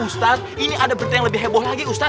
ustadz ini ada berita yang lebih heboh lagi ustadz